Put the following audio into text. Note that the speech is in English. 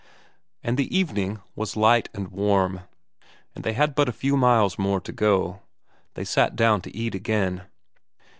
And the evening was light and warm, and they had but a few miles more to go; they sat down to eat again.